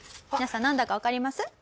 皆さんなんだかわかります？